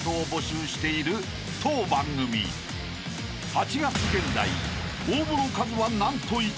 ［８月現在］